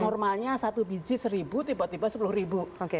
normalnya satu biji rp satu tiba tiba rp sepuluh